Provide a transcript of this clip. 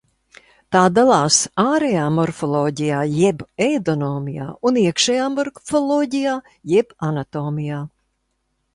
Tā dalās ārējā morfoloģijā jeb eidonomijā un iekšējā morfoloģijā jeb anatomijā.